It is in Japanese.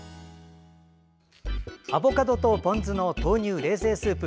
アボカドとポン酢の豆乳冷製スープ